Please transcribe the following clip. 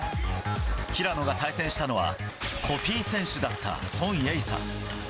平野が対戦したのは、コピー選手だった孫穎莎。